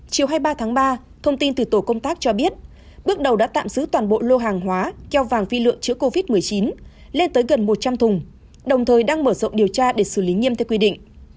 chiều hai mươi ba tháng ba thông tin từ tổ công tác cho biết bước đầu đã tạm giữ toàn bộ lô hàng hóa keo vàng vi lượng chữa covid một mươi chín lên tới gần một trăm linh thùng đồng thời đang mở rộng điều tra để xử lý nghiêm theo quy định